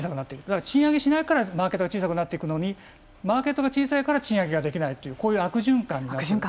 だから賃上げしないからマーケットが小さくなっていくのにマーケットが小さいから賃上げができないというこういう悪循環になっている。